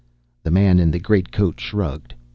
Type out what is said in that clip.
The man in the greatcoat shrugged.